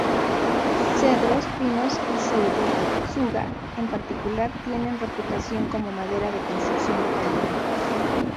Cedros, pinos y "Pseudotsuga", en particular, tienen reputación como madera de construcción de calidad.